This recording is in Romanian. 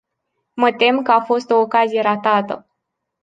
Mă tem că a fost o ocazie ratată.